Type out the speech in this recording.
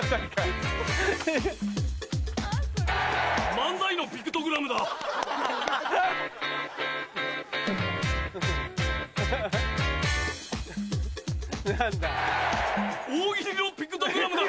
漫才のピクトグラムだ。ハッ！何だ？